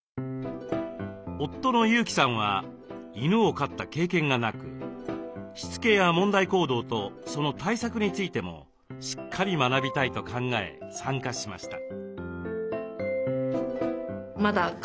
夫の裕己さんは犬を飼った経験がなくしつけや問題行動とその対策についてもしっかり学びたいと考え参加しました。